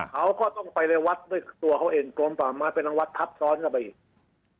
เขาก็ต้องไปในวัดด้วยตัวเขาเองกลมป่าไม้เป็นทางวัดทับซ้อนเข้าไปอีก